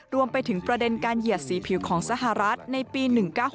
รวมไปถึงประเด็นการเหยียดสีผิวของสหรัฐในปี๑๙๖